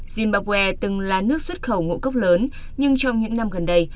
zimbabwe từng là nước xuất khẩu ngũ cốc lớn nhưng trong những năm gần đây